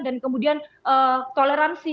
dan kemudian toleransi